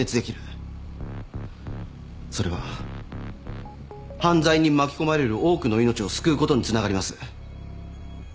それは犯罪に巻き込まれる多くの命を救うことにつながります。